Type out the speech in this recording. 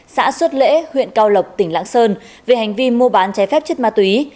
xã xuất lễ huyện cao lộc tỉnh lạng sơn về hành vi mua bán trái phép chất ma túy